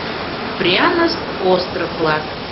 ПРЯНОСТЬ ОСТРОВ-ВЛАК